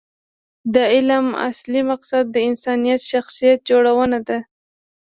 د علم اصلي مقصد د انسان شخصیت جوړونه ده.